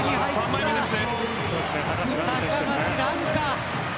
高橋藍だ。